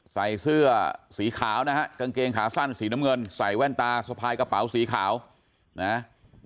ใส่เสื้อสีขาวนะฮะกางเกงขาสั้นสีน้ำเงินใส่แว่นตาสะพายกระเป๋าสีขาวนะ